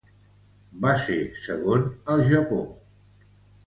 Va ser segon al Japó.